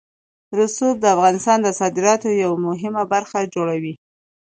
رسوب د افغانستان د صادراتو یوه مهمه برخه جوړوي.